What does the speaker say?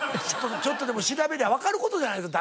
ちょっとでも調べりゃわかる事じゃないですか。